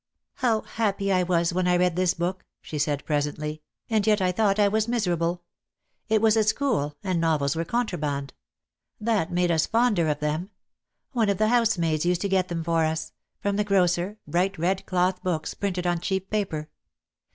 "How happy I was when I read this book," she said presently, "and yet I thought I was miserable. It was at school, and novels were contraband. That made us fonder of them. One of the housemaids used to get them for us — from the grocer, bright red cloth books, printed on cheap paper.